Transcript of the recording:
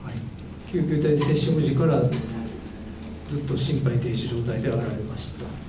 救急隊、接触時から、ずっと心肺停止状態であられました。